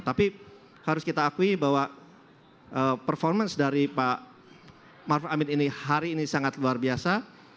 tapi harus kita akui bahwa performance dari pak maruf amin ini hari ini sangat luar biasa